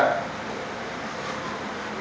kami sudah selesai